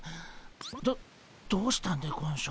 どどうしたんでゴンショ。